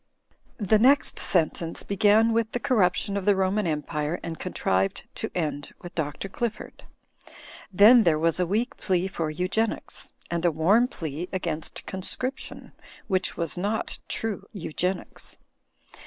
The next sentence began with the corruption of the Roman Empire and contrived to end with Dr. Qifford. Then there was a weak plea for Eugenics; and a warm plea against Conscription, which was not True Eugenics.